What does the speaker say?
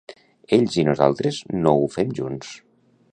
Ells i nosaltres no ho fem junts.